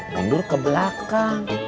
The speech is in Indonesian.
mundur ke belakang